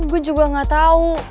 gue juga gak tau